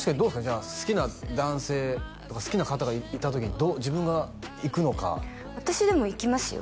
じゃあ好きな男性とか好きな方がいた時に自分がいくのか私でもいきますよ